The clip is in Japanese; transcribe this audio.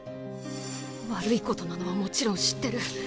悪いことなのはもちろん知ってる。